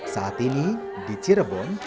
saat ini di cirebon